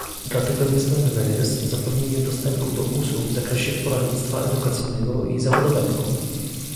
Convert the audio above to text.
Dlatego niezbędne jest zapewnienie dostępu do usług w zakresie poradnictwa edukacyjnego i zawodowego